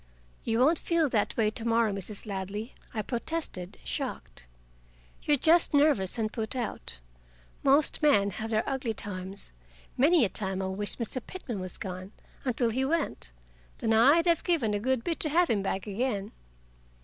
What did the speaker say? "You won't feel that way to morrow, Mrs. Ladley," I protested, shocked. "You're just nervous and put out. Most men have their ugly times. Many a time I wished Mr. Pitman was gone until he went. Then I'd have given a good bit to have him back again."